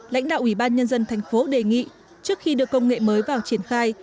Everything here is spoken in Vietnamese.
lãnh đạo ủy ban nhân dân thành phố đề nghị trước khi đưa công nghệ mới vào triển khai